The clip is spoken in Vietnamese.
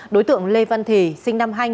đối tượng lê văn thì sinh năm hai nghìn